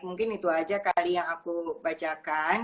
mungkin itu aja kali yang aku bacakan